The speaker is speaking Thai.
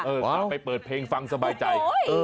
ถ้าไปเปิดเพลงฟังสบายใจ